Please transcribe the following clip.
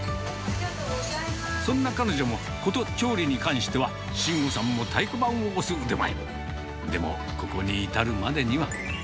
そんな彼女も、こと調理に関しては、しんごさんも太鼓判を押す腕前。